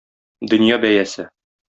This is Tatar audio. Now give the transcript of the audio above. Дөнья бәясе.